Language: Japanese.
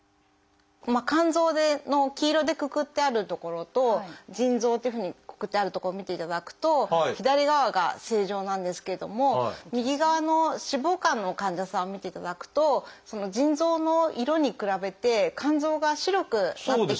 肝臓の黄色でくくってある所と腎臓っていうふうにくくってある所を見ていただくと左側が正常なんですけれども右側の脂肪肝の患者さんを見ていただくと腎臓の色に比べて肝臓が白くなってきてると思うんですけども。